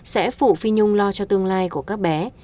sẽ phụ phi nhung lo cho tương lai của các bé